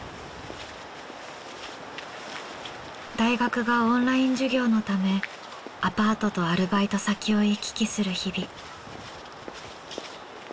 大学がオンライン授業のためアパートとアルバイト先を行き来する日々。